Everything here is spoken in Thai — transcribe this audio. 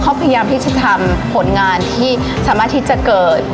เขาพยายามที่จะทำผลงานที่สามารถที่จะเกิด